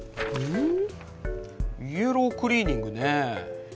イエロークリーニングね。